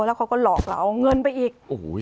แล้วเขาก็หลอกเราเอาเงินไปอีก